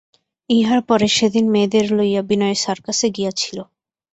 ইহার পরে সেদিন মেয়েদের লইয়া বিনয় সার্কাসে গিয়াছিল।